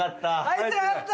入ってなかった！